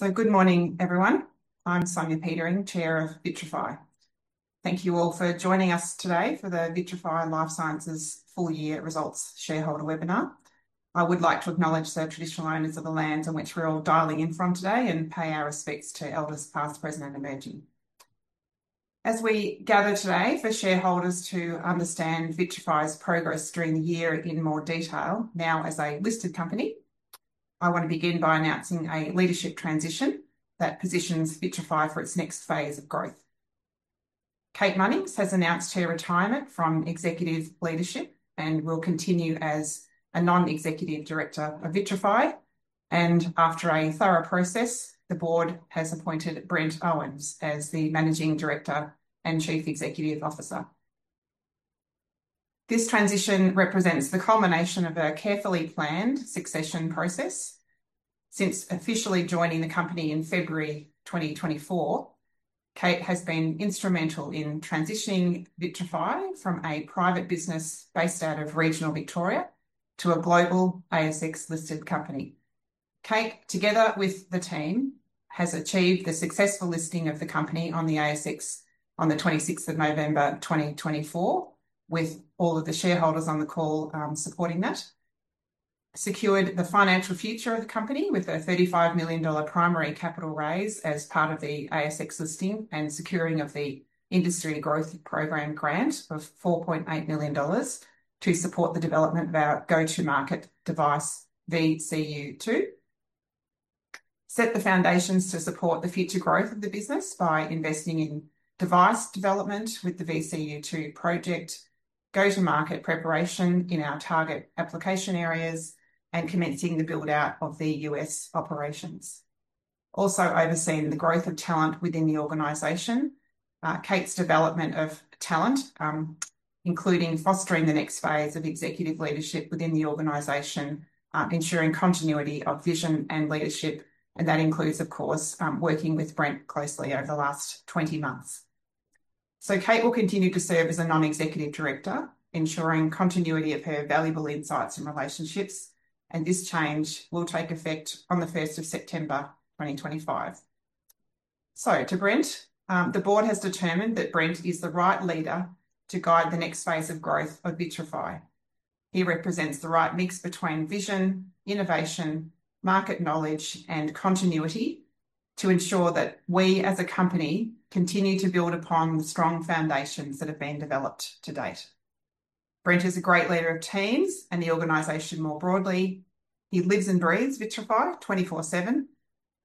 Good morning, everyone. I'm Sonia Petering, Chair of Vitrafy. Thank you all for joining us today for the Vitrafy Life Sciences Full-Year Results Shareholder Webinar. I would like to acknowledge the traditional owners of the lands on which we're all dialing in from today and pay our respects to elders past, present, and emerging. As we gather today for shareholders to understand Vitrafy's progress during the year in more detail, now as a listed company, I want to begin by announcing a leadership transition that positions Vitrafy for its next phase of growth. Kate Munnings has announced her retirement from executive leadership and will continue as a Non-Executive Director of Vitrafy. And after a thorough process, the board has appointed Brent Owens as the Managing Director and Chief Executive Officer. This transition represents the culmination of a carefully planned succession process. Since officially joining the company in February 2024, Kate has been instrumental in transitioning Vitrafy from a private business based out of regional Victoria to a global ASX-listed company. Kate, together with the team, has achieved the successful listing of the company on the ASX on the 26th of November 2024, with all of the shareholders on the call supporting that, secured the financial future of the company with a 35 million dollar primary capital raise as part of the ASX listing and securing of the Industry Growth Program grant of 4.8 million dollars to support the development of our go-to-market device, VCU2, set the foundations to support the future growth of the business by investing in device development with the VCU2 project, go-to-market preparation in our target application areas, and commencing the build-out of the U.S. operations. Also overseeing the growth of talent within the organization, Kate's development of talent, including fostering the next phase of executive leadership within the organization, ensuring continuity of vision and leadership. And that includes, of course, working with Brent closely over the last 20 months. So, Kate will continue to serve as a Non-Executive Director, ensuring continuity of her valuable insights and relationships. And this change will take effect on the 1st of September 2025. So, to Brent, the Board has determined that Brent is the right leader to guide the next phase of growth of Vitrafy. He represents the right mix between vision, innovation, market knowledge, and continuity to ensure that we as a company continue to build upon the strong foundations that have been developed to date. Brent is a great leader of teams and the organization more broadly. He lives and breathes Vitrafy 24/7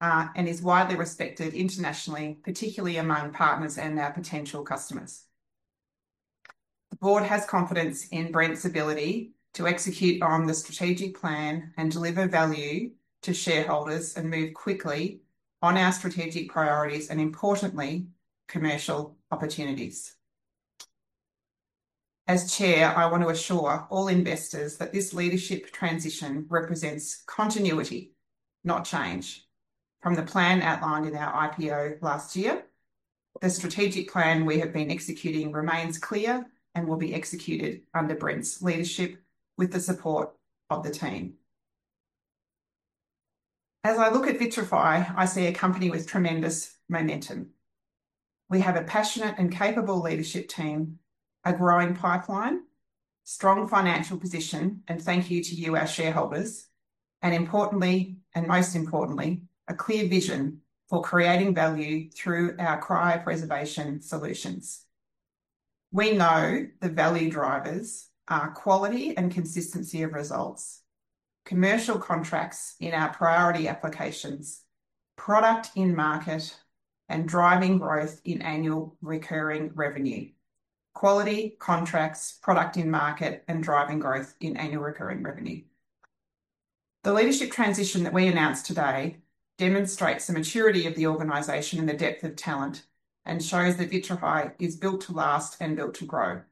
and is widely respected internationally, particularly among partners and our potential customers. The board has confidence in Brent's ability to execute on the strategic plan and deliver value to shareholders and move quickly on our strategic priorities and, importantly, commercial opportunities. As Chair, I want to assure all investors that this leadership transition represents continuity, not change. From the plan outlined in our IPO last year, the strategic plan we have been executing remains clear and will be executed under Brent's leadership with the support of the team. As I look at Vitrafy, I see a company with tremendous momentum. We have a passionate and capable leadership team, a growing pipeline, strong financial position, and thank you to you, our shareholders, and importantly, and most importantly, a clear vision for creating value through our cryopreservation solutions. We know the value drivers are quality and consistency of results, commercial contracts in our priority applications, product in market, and driving growth in annual recurring revenue. Quality, contracts, product in market, and driving growth in annual recurring revenue. The leadership transition that we announced today demonstrates the maturity of the organization and the depth of talent and shows that Vitrafy is built to last and built to grow.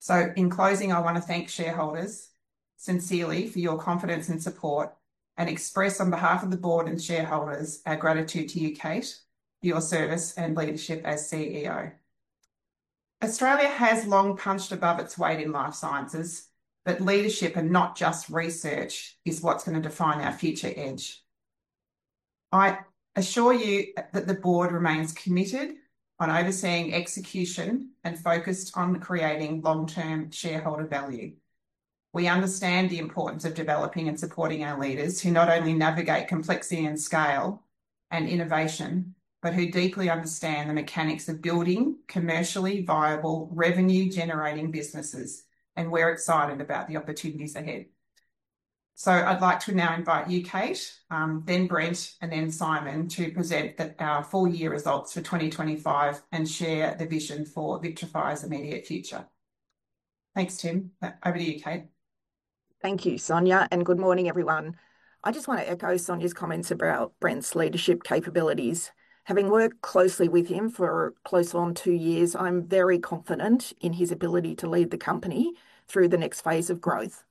So, in closing, I want to thank shareholders sincerely for your confidence and support and express on behalf of the board and shareholders our gratitude to you, Kate, for your service and leadership as CEO. Australia has long punched above its weight in life sciences, but leadership and not just research is what's going to define our future edge. I assure you that the board remains committed on overseeing execution and focused on creating long-term shareholder value. We understand the importance of developing and supporting our leaders who not only navigate complexity and scale and innovation, but who deeply understand the mechanics of building commercially viable, revenue-generating businesses, and we're excited about the opportunities ahead, so I'd like to now invite you, Kate, then Brent, and then Simon to present our full-year results for 2025 and share the vision for Vitrafy's immediate future. Thanks, Tim. Over to you, Kate. Thank you, Sonia, and good morning, everyone. I just want to echo Sonia's comments about Brent's leadership capabilities. Having worked closely with him for close on two years, I'm very confident in his ability to lead the company through the next phase of growth.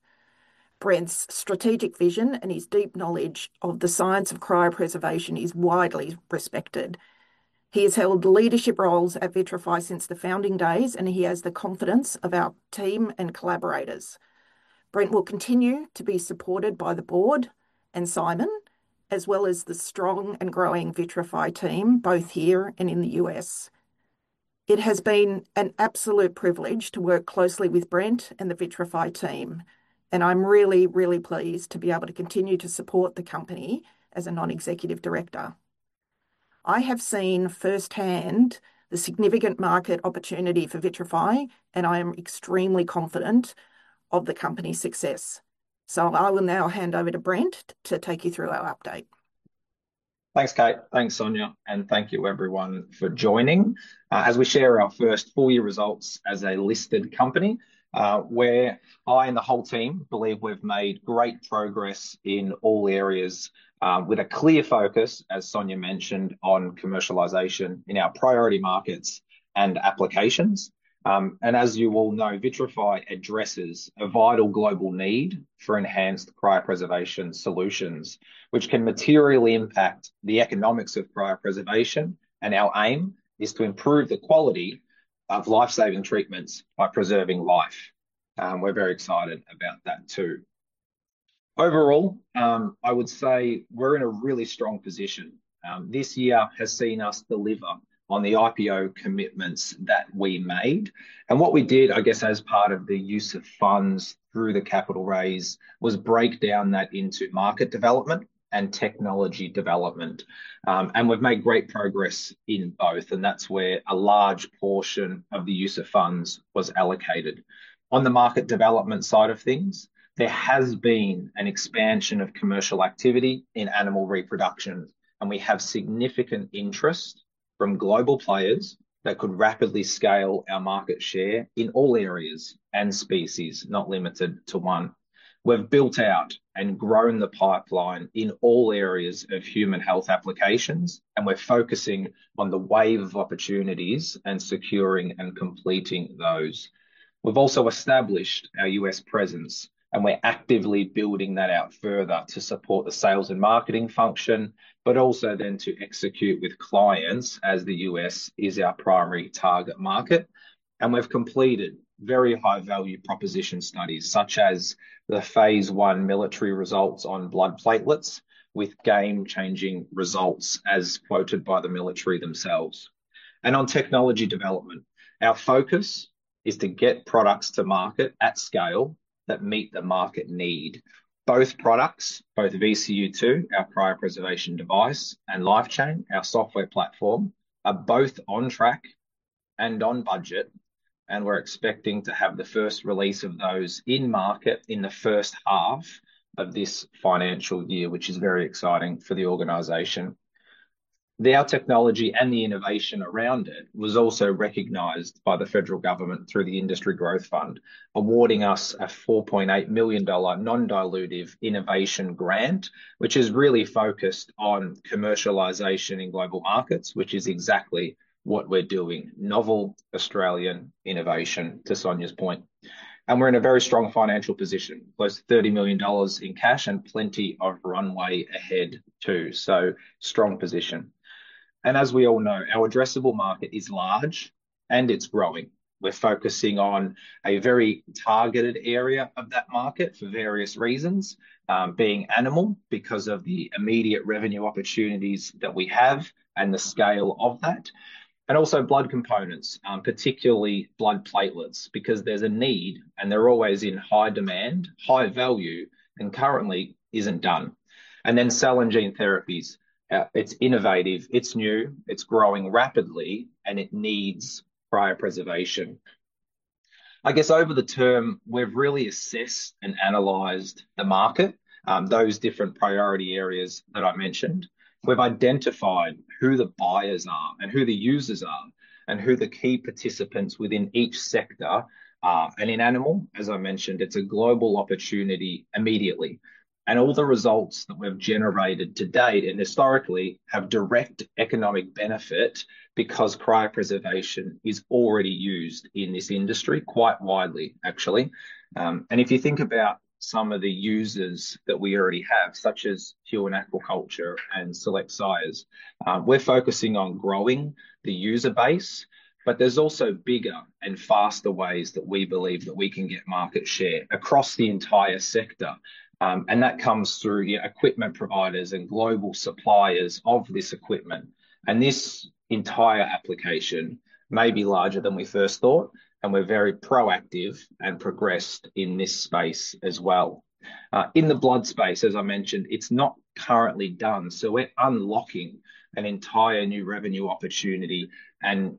Brent's strategic vision and his deep knowledge of the science of cryopreservation is widely respected. He has held leadership roles at Vitrafy since the founding days, and he has the confidence of our team and collaborators. Brent will continue to be supported by the board and Simon, as well as the strong and growing Vitrafy team, both here and in the U.S. It has been an absolute privilege to work closely with Brent and the Vitrafy team, and I'm really, really pleased to be able to continue to support the company as a Non-Executive Director. I have seen firsthand the significant market opportunity for Vitrafy, and I am extremely confident of the company's success. So, I will now hand over to Brent to take you through our update. Thanks, Kate. Thanks, Sonia. Thank you, everyone, for joining. As we share our first full-year results as a listed company, I and the whole team believe we've made great progress in all areas with a clear focus, as Sonia mentioned, on commercialization in our priority markets and applications. As you all know, Vitrafy addresses a vital global need for enhanced cryopreservation solutions, which can materially impact the economics of cryopreservation. Our aim is to improve the quality of life-saving treatments by preserving life. We're very excited about that too. Overall, I would say we're in a really strong position. This year has seen us deliver on the IPO commitments that we made. What we did, I guess, as part of the use of funds through the capital raise was break down that into market development and technology development. We've made great progress in both. And that's where a large portion of the use of funds was allocated. On the market development side of things, there has been an expansion of commercial activity in animal reproduction, and we have significant interest from global players that could rapidly scale our market share in all areas and species, not limited to one. We've built out and grown the pipeline in all areas of human health applications, and we're focusing on the wave of opportunities and securing and completing those. We've also established our U.S. presence, and we're actively building that out further to support the sales and marketing function, but also then to execute with clients as the U.S. is our primary target market. And we've completed very high-value proposition studies such as the phase I military results on blood platelets with game-changing results, as quoted by the military themselves. On technology development, our focus is to get products to market at scale that meet the market need. Both products, both VCU2, our cryopreservation device, and LifeChain, our software platform, are both on track and on budget. We're expecting to have the first release of those in market in the first half of this financial year, which is very exciting for the organization. Their technology and the innovation around it was also recognized by the federal government through the Industry Growth Program, awarding us a 4.8 million dollar non-dilutive innovation grant, which is really focused on commercialization in global markets, which is exactly what we're doing: novel Australian innovation, to Sonia's point. We're in a very strong financial position, close to 30 million dollars in cash and plenty of runway ahead too. Strong position. As we all know, our addressable market is large and it's growing. We're focusing on a very targeted area of that market for various reasons, being animal because of the immediate revenue opportunities that we have and the scale of that, and also blood components, particularly blood platelets, because there's a need and they're always in high demand, high value, and currently isn't done, and then cell and gene therapies. It's innovative, it's new, it's growing rapidly, and it needs cryopreservation. I guess over the term, we've really assessed and analyzed the market, those different priority areas that I mentioned. We've identified who the buyers are and who the users are and who the key participants within each sector are, and in animal, as I mentioned, it's a global opportunity immediately. And all the results that we've generated to date and historically have direct economic benefit because cryopreservation is already used in this industry quite widely, actually. If you think about some of the users that we already have, such as Huon Aquaculture and Select Sires, we're focusing on growing the user base, but there's also bigger and faster ways that we believe that we can get market share across the entire sector. That comes through equipment providers and global suppliers of this equipment. This entire application may be larger than we first thought, and we're very proactive and progressed in this space as well. In the blood space, as I mentioned, it's not currently done. We're unlocking an entire new revenue opportunity and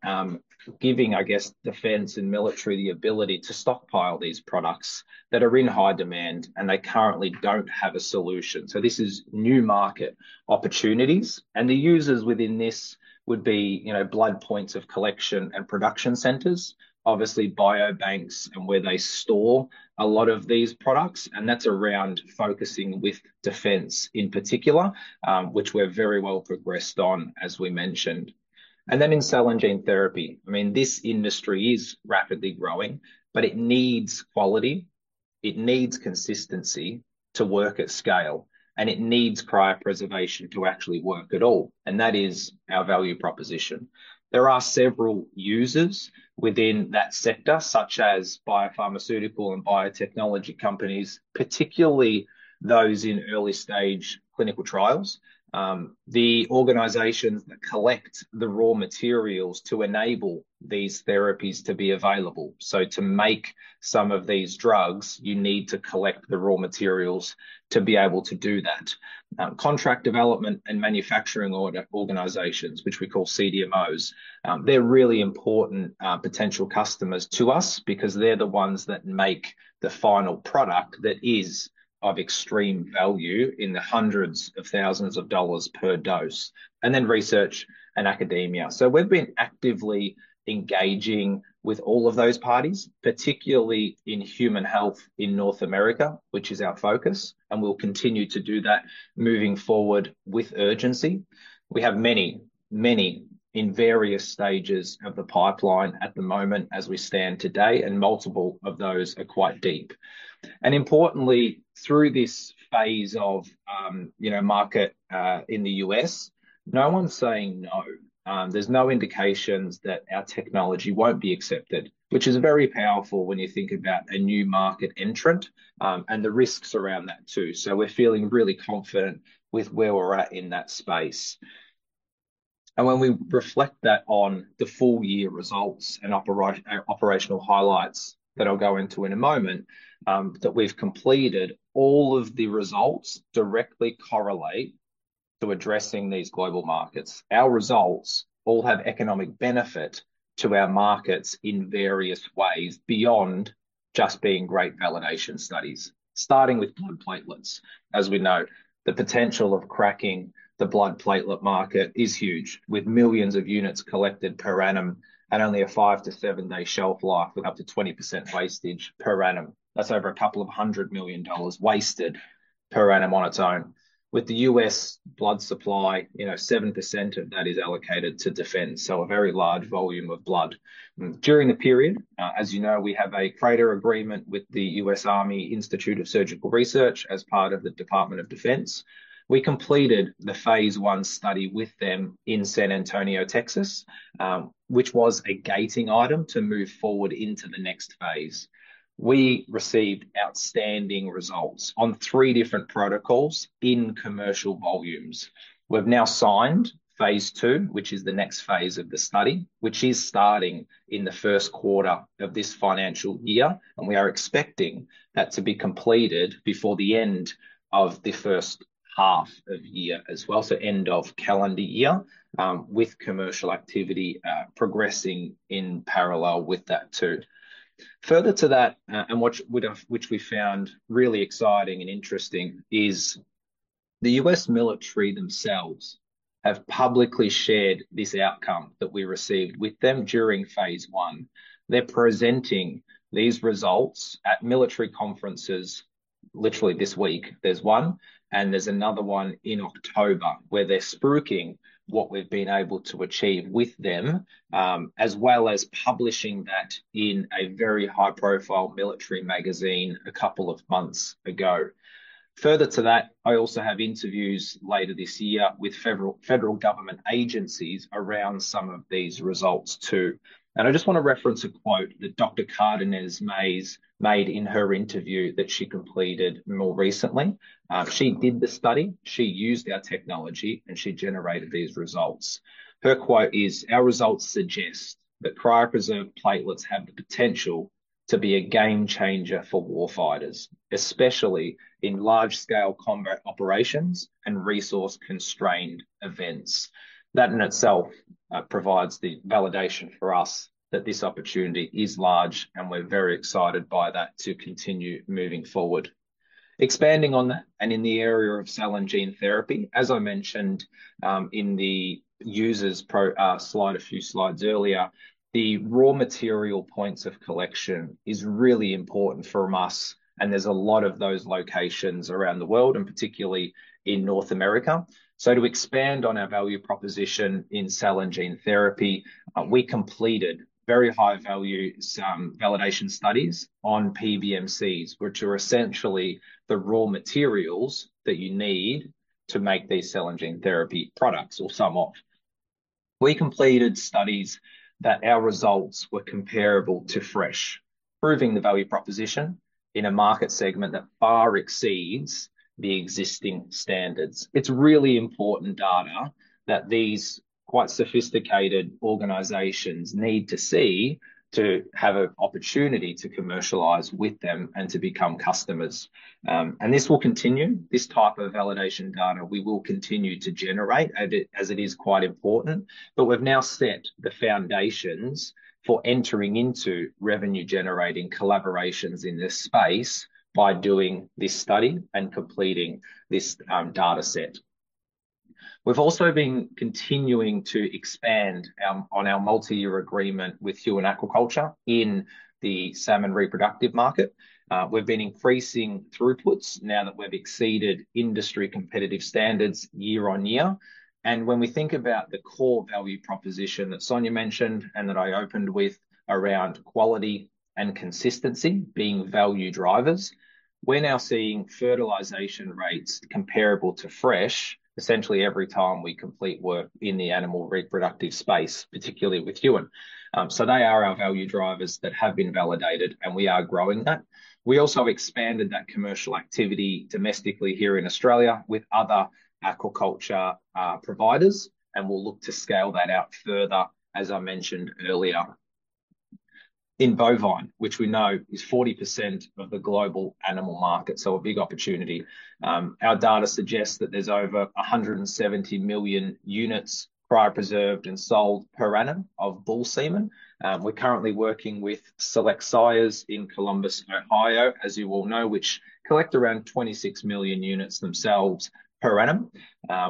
giving, I guess, defense and military the ability to stockpile these products that are in high demand and they currently don't have a solution. This is new market opportunities. The users within this would be blood points of collection and production centers, obviously biobanks and where they store a lot of these products. That's around, focusing with defense in particular, which we're very well progressed on, as we mentioned. In cell and gene therapy, I mean, this industry is rapidly growing, but it needs quality. It needs consistency to work at scale, and it needs cryopreservation to actually work at all. That is our value proposition. There are several users within that sector, such as biopharmaceutical and biotechnology companies, particularly those in early stage clinical trials, the organizations that collect the raw materials to enable these therapies to be available. To make some of these drugs, you need to collect the raw materials to be able to do that. Contract Development and Manufacturing Organizations, which we call CDMOs, they're really important potential customers to us because they're the ones that make the final product that is of extreme value in the hundreds of thousands of dollars per dose, and then research and academia, so we've been actively engaging with all of those parties, particularly in human health in North America, which is our focus, and we'll continue to do that moving forward with urgency. We have many, many in various stages of the pipeline at the moment as we stand today, and multiple of those are quite deep. And importantly, through this phase of market in the U.S., no one's saying no. There's no indications that our technology won't be accepted, which is very powerful when you think about a new market entrant and the risks around that too. We're feeling really confident with where we're at in that space. And when we reflect that on the full-year results and operational highlights that I'll go into in a moment, that we've completed, all of the results directly correlate to addressing these global markets. Our results all have economic benefit to our markets in various ways beyond just being great validation studies, starting with blood platelets. As we know, the potential of cracking the blood platelet market is huge, with millions of units collected per annum and only a five- to seven-day shelf life with up to 20% wastage per annum. That's over 200 million dollars wasted per annum on its own. With the U.S. blood supply, 7% of that is allocated to defense, so a very large volume of blood. During the period, as you know, we have a CRADA agreement with the U.S. Army Institute of Surgical Research as part of the Department of Defense. We completed the phase I study with them in San Antonio, Texas, which was a gating item to move forward into the next phase. We received outstanding results on three different protocols in commercial volumes. We've now signed phase II, which is the next phase of the study, which is starting in the first quarter of this financial year, and we are expecting that to be completed before the end of the first half of year as well, so end of calendar year, with commercial activity progressing in parallel with that too. Further to that, and which we found really exciting and interesting, is the U.S. military themselves have publicly shared this outcome that we received with them during phase I. They're presenting these results at military conferences literally this week. There's one, and there's another one in October where they're spruiking what we've been able to achieve with them, as well as publishing that in a very high-profile military magazine a couple of months ago. Further to that, I also have interviews later this year with federal government agencies around some of these results too, and I just want to reference a quote that Dr. Cardenas made in her interview that she completed more recently. She did the study. She used our technology, and she generated these results. Her quote is, "Our results suggest that cryopreserved platelets have the potential to be a game changer for warfighters, especially in large-scale combat operations and resource-constrained events." That in itself provides the validation for us that this opportunity is large, and we're very excited by that to continue moving forward. Expanding on that and in the area of cell and gene therapy, as I mentioned in the user's slide a few slides earlier, the raw material points of collection is really important for us. And there's a lot of those locations around the world, and particularly in North America. So, to expand on our value proposition in cell and gene therapy, we completed very high-value validation studies on PBMCs, which are essentially the raw materials that you need to make these cell and gene therapy products or some of. We completed studies that our results were comparable to fresh, proving the value proposition in a market segment that far exceeds the existing standards. It's really important data that these quite sophisticated organizations need to see to have an opportunity to commercialize with them and to become customers. And this will continue. This type of validation data we will continue to generate, as it is quite important. But we've now set the foundations for entering into revenue-generating collaborations in this space by doing this study and completing this data set. We've also been continuing to expand on our multi-year agreement with Huon Aquaculture in the salmon reproductive market. We've been increasing throughputs now that we've exceeded industry competitive standards year-on-year. And when we think about the core value proposition that Sonia mentioned and that I opened with around quality and consistency being value drivers, we're now seeing fertilization rates comparable to fresh essentially every time we complete work in the animal reproductive space, particularly with Huon. So, they are our value drivers that have been validated, and we are growing that. We also expanded that commercial activity domestically here in Australia with other aquaculture providers, and we'll look to scale that out further, as I mentioned earlier, in bovine, which we know is 40% of the global animal market, so a big opportunity. Our data suggests that there's over 170 million units cryopreserved and sold per annum of bull semen. We're currently working with Select Sires in Columbus, Ohio, as you all know, which collect around 26 million units themselves per annum.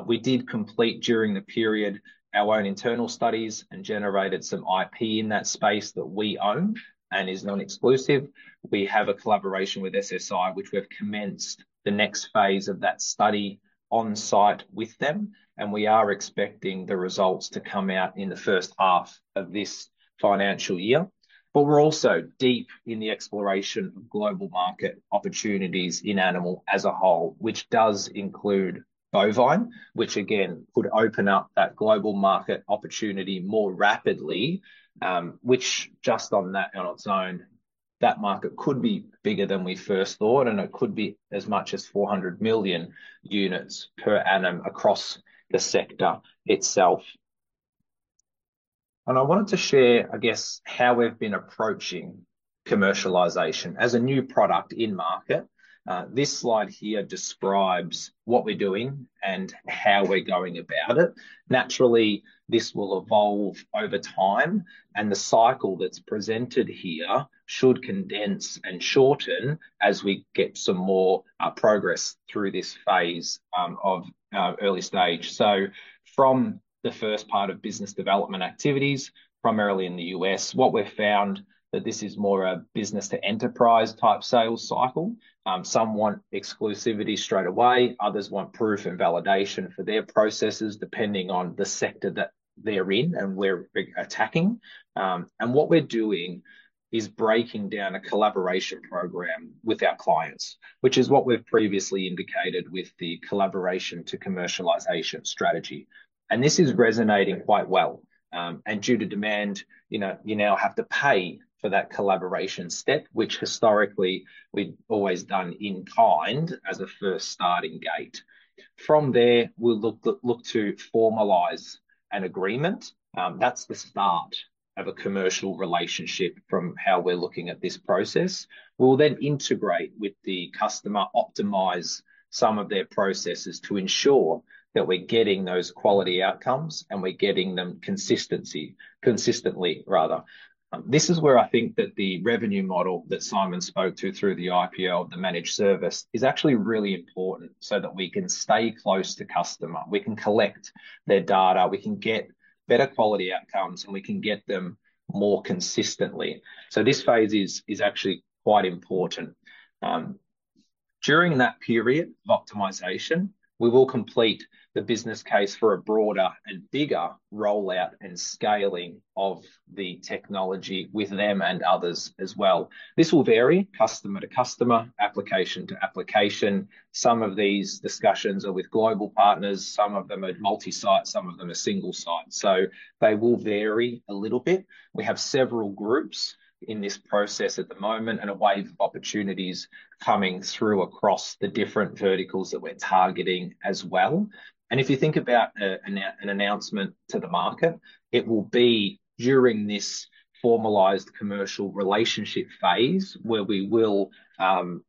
We did complete during the period our own internal studies and generated some IP in that space that we own and is non-exclusive. We have a collaboration with SSI, which we've commenced the next phase of that study on site with them, and we are expecting the results to come out in the first half of this financial year. But we're also deep in the exploration of global market opportunities in animal as a whole, which does include bovine, which again could open up that global market opportunity more rapidly, which just on that on its own, that market could be bigger than we first thought, and it could be as much as 400 million units per annum across the sector itself. And I wanted to share, I guess, how we've been approaching commercialization as a new product in market. This slide here describes what we're doing and how we're going about it. Naturally, this will evolve over time, and the cycle that's presented here should condense and shorten as we get some more progress through this phase of early stage. So, from the first part of business development activities, primarily in the U.S., what we've found is that this is more a business-to-enterprise type sales cycle. Some want exclusivity straight away. Others want proof and validation for their processes depending on the sector that they're in and where we're attacking, and what we're doing is breaking down a collaboration program with our clients, which is what we've previously indicated with the collaboration to commercialization strategy, and this is resonating quite well, and due to demand, you now have to pay for that collaboration step, which historically we've always done in kind as a first starting gate. From there, we'll look to formalize an agreement. That's the start of a commercial relationship from how we're looking at this process. We'll then integrate with the customer, optimize some of their processes to ensure that we're getting those quality outcomes and we're getting them consistently, rather. This is where I think that the revenue model that Simon spoke to through the IPO of the managed service is actually really important so that we can stay close to customer. We can collect their data. We can get better quality outcomes, and we can get them more consistently. So, this phase is actually quite important. During that period of optimization, we will complete the business case for a broader and bigger rollout and scaling of the technology with them and others as well. This will vary customer to customer, application to application. Some of these discussions are with global partners. Some of them are multi-site. Some of them are single-site. So, they will vary a little bit. We have several groups in this process at the moment and a wave of opportunities coming through across the different verticals that we're targeting as well. If you think about an announcement to the market, it will be during this formalized commercial relationship phase where we will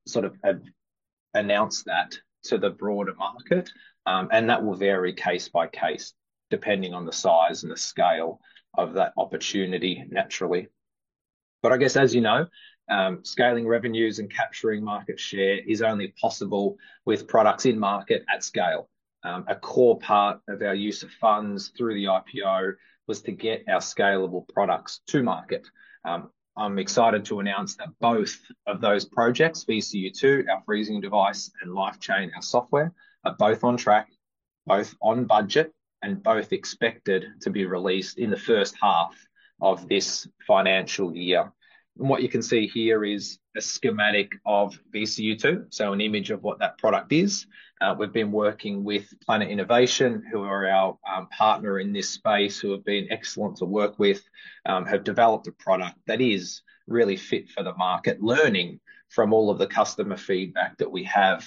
sort of announce that to the broader market. That will vary case by case depending on the size and the scale of that opportunity, naturally. I guess, as you know, scaling revenues and capturing market share is only possible with products in market at scale. A core part of our use of funds through the IPO was to get our scalable products to market. I'm excited to announce that both of those projects, VCU2, our freezing device, and LifeChain, our software, are both on track, both on budget, and both expected to be released in the first half of this financial year. What you can see here is a schematic of VCU2, so an image of what that product is. We've been working with Planet Innovation, who are our partner in this space, who have been excellent to work with, have developed a product that is really fit for the market, learning from all of the customer feedback that we have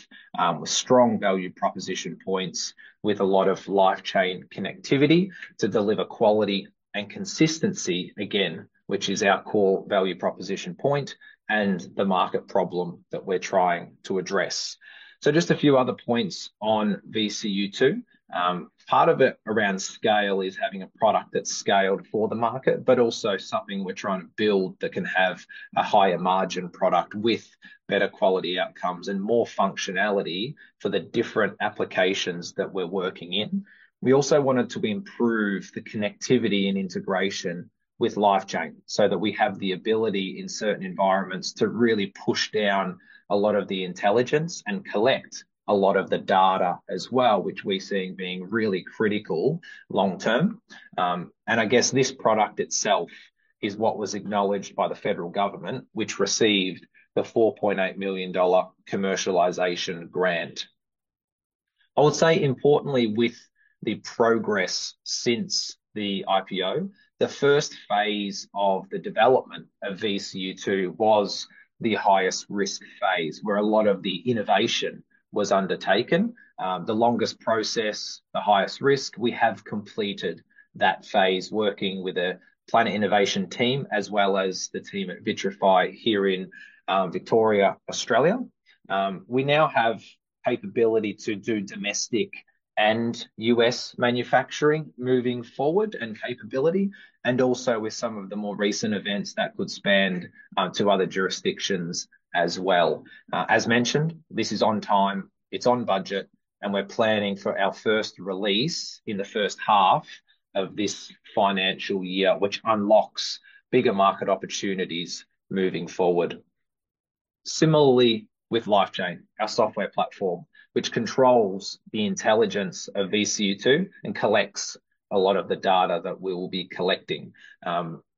with strong value proposition points with a lot of LifeChain connectivity to deliver quality and consistency, again, which is our core value proposition point and the market problem that we're trying to address. So, just a few other points on VCU2. Part of it around scale is having a product that's scaled for the market, but also something we're trying to build that can have a higher margin product with better quality outcomes and more functionality for the different applications that we're working in. We also wanted to improve the connectivity and integration with LifeChain so that we have the ability in certain environments to really push down a lot of the intelligence and collect a lot of the data as well, which we're seeing being really critical long term, and I guess this product itself is what was acknowledged by the federal government, which received the 4.8 million dollar commercialization grant. I would say importantly, with the progress since the IPO, the first phase of the development of VCU2 was the highest risk phase where a lot of the innovation was undertaken. The longest process, the highest risk, we have completed that phase working with a Planet Innovation team as well as the team at Vitrafy here in Victoria, Australia. We now have capability to do domestic and U.S. manufacturing moving forward and capability, and also with some of the more recent events that could span to other jurisdictions as well. As mentioned, this is on time. It's on budget, and we're planning for our first release in the first half of this financial year, which unlocks bigger market opportunities moving forward. Similarly, with LifeChain, our software platform, which controls the intelligence of VCU2 and collects a lot of the data that we will be collecting.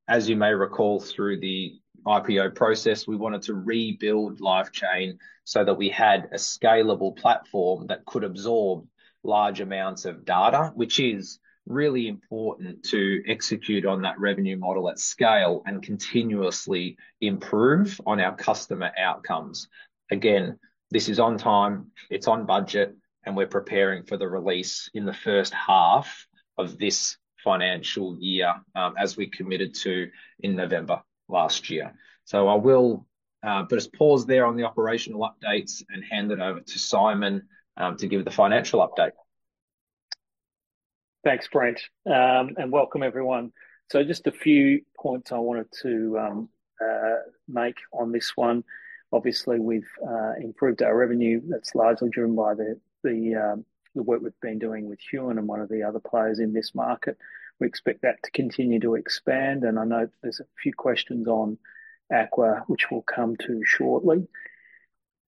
As you may recall, through the IPO process, we wanted to rebuild LifeChain so that we had a scalable platform that could absorb large amounts of data, which is really important to execute on that revenue model at scale and continuously improve on our customer outcomes. Again, this is on time. It's on budget, and we're preparing for the release in the first half of this financial year as we committed to in November last year, so I will put a pause there on the operational updates and hand it over to Simon to give the financial update. Thanks, Brent, and welcome, everyone, so just a few points I wanted to make on this one. Obviously, we've improved our revenue. That's largely driven by the work we've been doing with Huon and one of the other players in this market. We expect that to continue to expand, and I know there's a few questions on Aqua, which we'll come to shortly.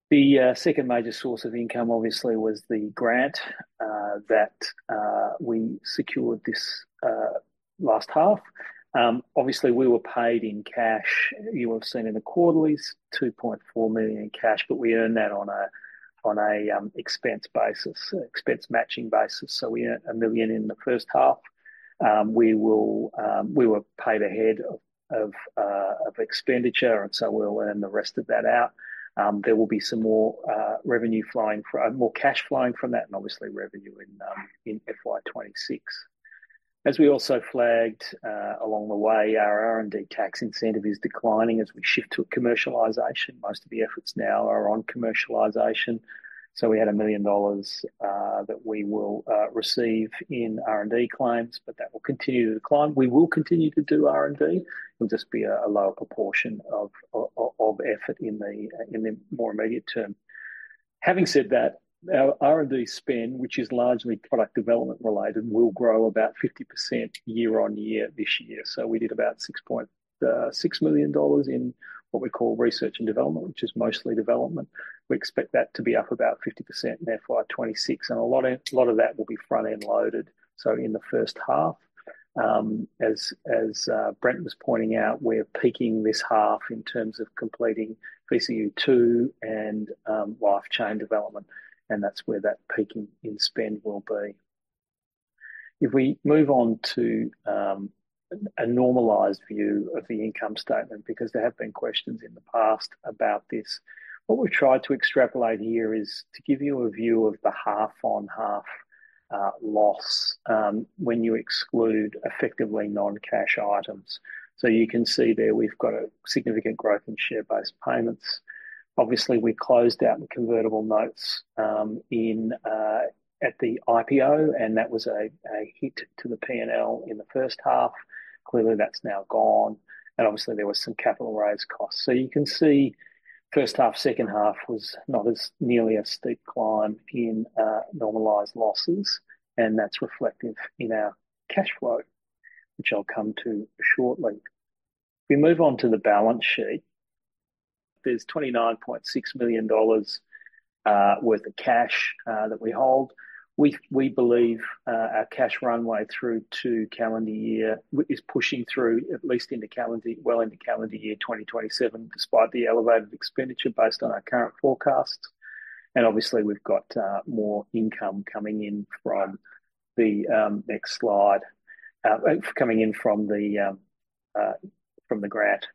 The second major source of income, obviously, was the grant that we secured this last half. Obviously, we were paid in cash. You will have seen in the quarterlies 2.4 million in cash, but we earned that on an expense basis, expense matching basis. So, we earned 1 million in the first half. We were paid ahead of expenditure, and so we'll earn the rest of that out. There will be some more revenue flowing from more cash flowing from that, and obviously revenue in FY 2026. As we also flagged along the way, our R&D Tax Incentive is declining as we shift to commercialization. Most of the efforts now are on commercialization. So, we had 1 million dollars that we will receive in R&D claims, but that will continue to decline. We will continue to do R&D. It'll just be a lower proportion of effort in the more immediate term. Having said that, our R&D spend, which is largely product development related, will grow about 50% year-on-year this year. We did about 6.6 million dollars in what we call research and development, which is mostly development. We expect that to be up about 50% in FY 2026. A lot of that will be front-end loaded. In the first half, as Brent was pointing out, we're peaking this half in terms of completing VCU2 and LifeChain development. That's where that peaking in spend will be. If we move on to a normalized view of the income statement, because there have been questions in the past about this, what we've tried to extrapolate here is to give you a view of the half-on-half loss when you exclude effectively non-cash items. You can see there we've got a significant growth in share-based payments. Obviously, we closed out the convertible notes at the IPO, and that was a hit to the P&L in the first half. Clearly, that's now gone. And obviously, there were some capital raise costs. So, you can see first half, second half was not nearly a steep climb in normalized losses. And that's reflective in our cash flow, which I'll come to shortly. If we move on to the balance sheet, there's 29.6 million dollars worth of cash that we hold. We believe our cash runway through to calendar year is pushing through at least into calendar, well into calendar year 2027, despite the elevated expenditure based on our current forecasts. And obviously, we've got more income coming in from the next slide, coming in from the grant.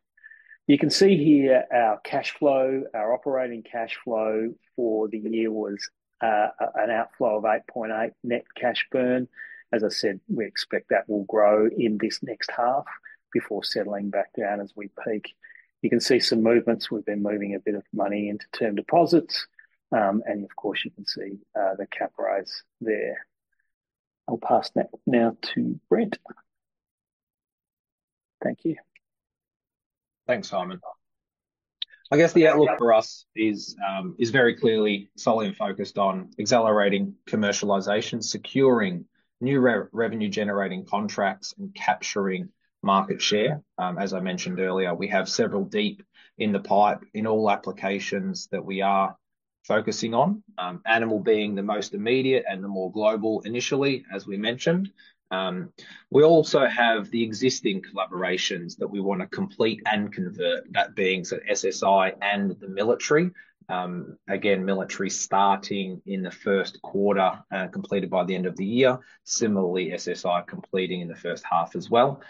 You can see here our cash flow, our operating cash flow for the year was an outflow of 8.8 net cash burn. As I said, we expect that will grow in this next half before settling back down as we peak. You can see some movements. We've been moving a bit of money into term deposits. And of course, you can see the cash rise there. I'll pass that now to Brent. Thank you. Thanks, Simon. I guess the outlook for us is very clearly solid and focused on accelerating commercialization, securing new revenue-generating contracts, and capturing market share. As I mentioned earlier, we have several deep in the pipeline in all applications that we are focusing on, animal being the most immediate and the more global initially, as we mentioned. We also have the existing collaborations that we want to complete and convert, that being SSI and the military. Again, military starting in the first quarter and completed by the end of the year. Similarly, SSI completing in the first half as well.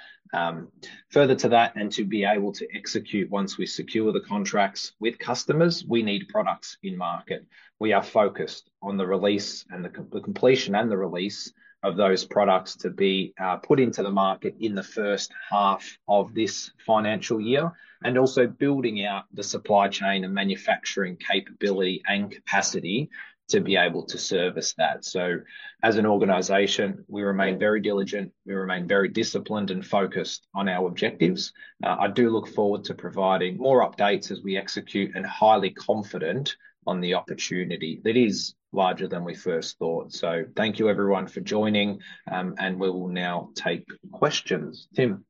Further to that, and to be able to execute once we secure the contracts with customers, we need products in market. We are focused on the release and the completion and the release of those products to be put into the market in the first half of this financial year, and also building out the supply chain and manufacturing capability and capacity to be able to service that. So, as an organization, we remain very diligent. We remain very disciplined and focused on our objectives. I do look forward to providing more updates as we execute and highly confident on the opportunity that is larger than we first thought. So, thank you everyone for joining, and we will now take questions. Tim.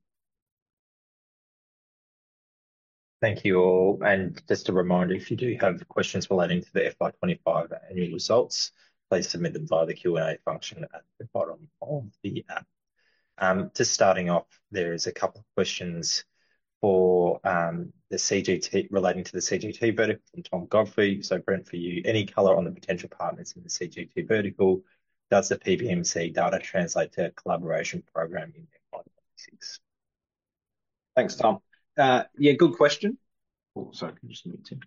Thank you all. Just a reminder, if you do have questions relating to the FY25 annual results, please submit them via the Q&A function at the bottom of the app. Just starting off, there is a couple of questions for the CGT relating to the CGT vertical from Tom Godfrey. So, Brent, for you, any color on the potential partners in the CGT vertical? Does the PBMC data translate to a collaboration program in FY 2026? Thanks, Tom. Yeah, good question. Sorry, can you just mute him?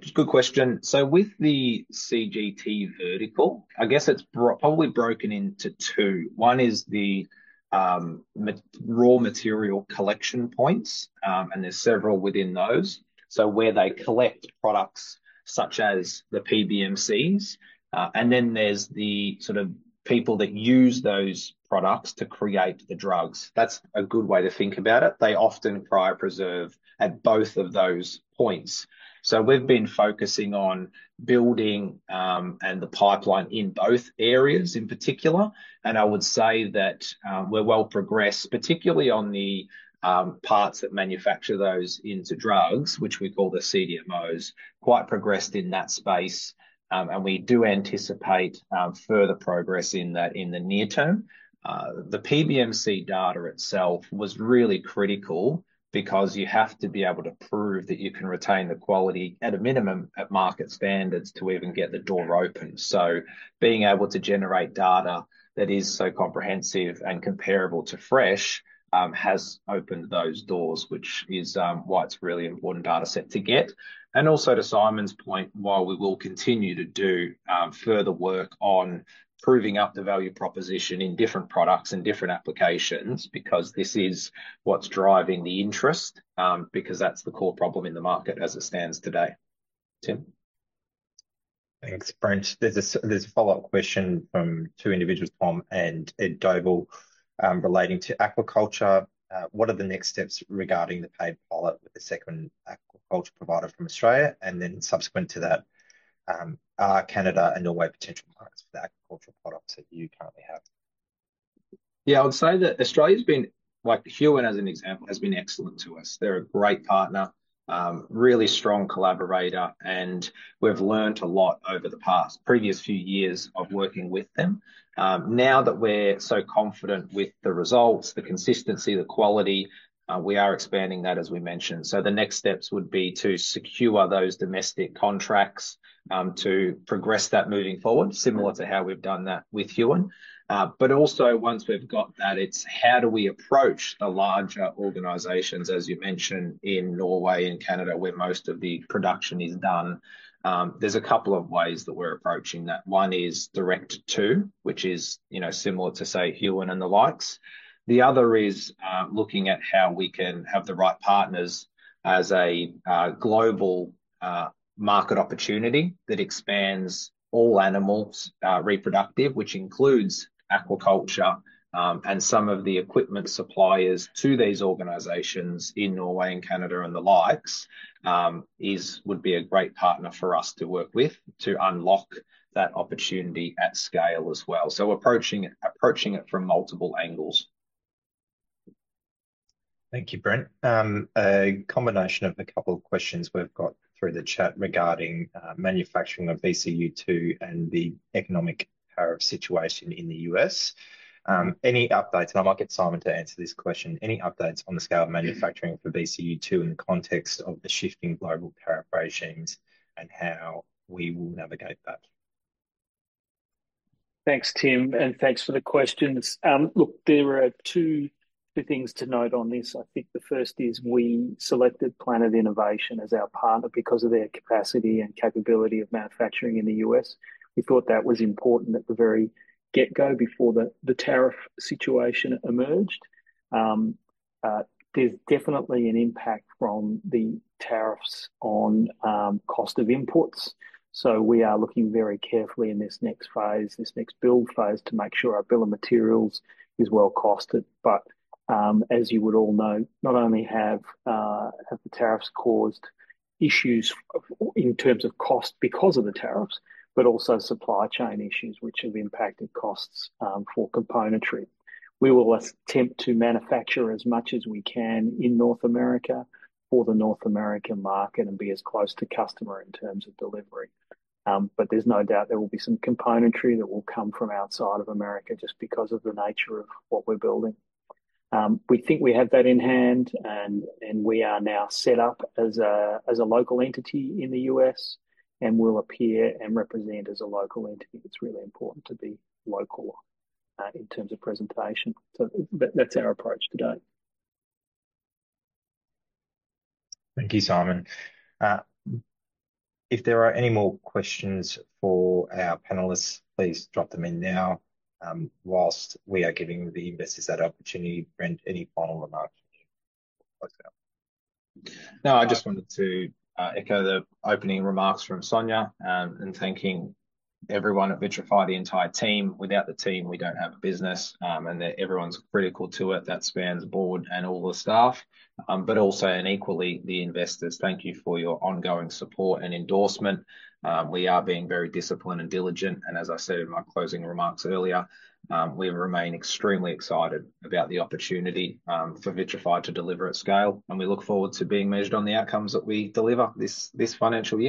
Just a good question. With the CGT vertical, I guess it's probably broken into two. One is the raw material collection points, and there's several within those. So, where they collect products such as the PBMCs. And then there's the sort of people that use those products to create the drugs. That's a good way to think about it. They often cryopreserve at both of those points. So, we've been focusing on building and the pipeline in both areas in particular. And I would say that we're well progressed, particularly on the parts that manufacture those into drugs, which we call the CDMOs, quite progressed in that space. And we do anticipate further progress in that in the near term. The PBMC data itself was really critical because you have to be able to prove that you can retain the quality at a minimum at market standards to even get the door open. So, being able to generate data that is so comprehensive and comparable to fresh has opened those doors, which is why it's a really important data set to get. And also to Simon's point, while we will continue to do further work on proving up the value proposition in different products and different applications, because this is what's driving the interest, because that's the core problem in the market as it stands today. Tim. Thanks, Brent. There's a follow-up question from two individuals, Tom and Ed Deville, relating to aquaculture. What are the next steps regarding the paid pilot with the second aquaculture provider from Australia? And then subsequent to that, are Canada and Norway potential partners for the aquaculture products that you currently have? Yeah, I would say that Australia has been, like Huon as an example, has been excellent to us. They're a great partner, really strong collaborator, and we've learned a lot over the past previous few years of working with them. Now that we're so confident with the results, the consistency, the quality, we are expanding that, as we mentioned. So, the next steps would be to secure those domestic contracts to progress that moving forward, similar to how we've done that with Huon. But also, once we've got that, it's how do we approach the larger organizations, as you mentioned, in Norway and Canada, where most of the production is done. There's a couple of ways that we're approaching that. One is direct to, which is similar to, say, Huon and the likes. The other is looking at how we can have the right partners as a global market opportunity that expands all animals reproductive, which includes aquaculture and some of the equipment suppliers to these organizations in Norway and Canada and the likes, would be a great partner for us to work with to unlock that opportunity at scale as well. Approaching it from multiple angles. Thank you, Brent. A combination of a couple of questions we've got through the chat regarding manufacturing of VCU2 and the economic policy situation in the U.S. Any updates? I might get Simon to answer this question. Any updates on the scale of manufacturing for VCU2 in the context of the shifting global tariff regimes and how we will navigate that? Thanks, Tim. Thanks for the questions. Look, there are two things to note on this. I think the first is we selected Planet Innovation as our partner because of their capacity and capability of manufacturing in the U.S. We thought that was important at the very get-go before the tariff situation emerged. There's definitely an impact from the tariffs on cost of imports. So, we are looking very carefully in this next phase, this next build phase, to make sure our bill of materials is well costed. But as you would all know, not only have the tariffs caused issues in terms of cost because of the tariffs, but also supply chain issues, which have impacted costs for componentry. We will attempt to manufacture as much as we can in North America for the North American market and be as close to customer in terms of delivery. But there's no doubt there will be some componentry that will come from outside of America just because of the nature of what we're building. We think we have that in hand, and we are now set up as a local entity in the U.S. and will appear and represent as a local entity. It's really important to be local in terms of presentation. So, that's our approach today. Thank you, Simon. If there are any more questions for our panelists, please drop them in now while we are giving the investors that opportunity. Brent, any final remarks? No, I just wanted to echo the opening remarks from Sonia and thanking everyone at Vitrafy, the entire team. Without the team, we don't have a business, and everyone's critical to it. That spans board and all the staff, but also and equally the investors. Thank you for your ongoing support and endorsement. We are being very disciplined and diligent. And as I said in my closing remarks earlier, we remain extremely excited about the opportunity for Vitrafy to deliver at scale. And we look forward to being measured on the outcomes that we deliver this financial year.